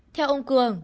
theo ông cường